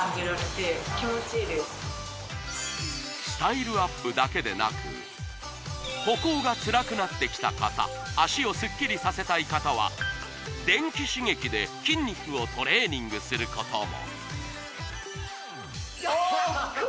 スタイルアップだけでなく歩行がつらくなってきた方脚をスッキリさせたい方は電気刺激で筋肉をトレーニングすることもああっ！